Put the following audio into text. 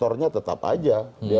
seharusnya tetap saja